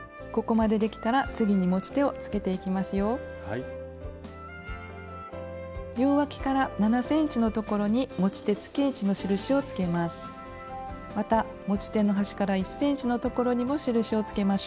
また持ち手の端から１ｃｍのところにも印をつけましょう。